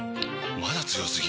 まだ強すぎ？！